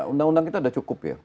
undang undang kita sudah cukup ya